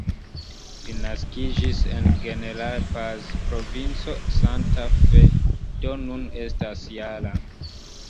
Li naskiĝis en "General Paz", provinco Santa Fe, do nun estas -jara.